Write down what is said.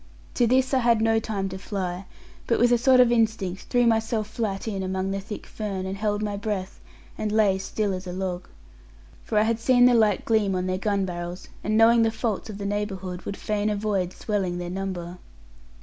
To this I had no time to fly, but with a sort of instinct, threw myself flat in among the thick fern, and held my breath, and lay still as a log. For I had seen the light gleam on their gun barrels, and knowing the faults of the neighbourhood, would fain avoid swelling their number.